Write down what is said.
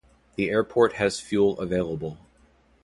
The airport has fuel available.